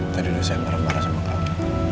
tadi dulu saya marah marah sama kamu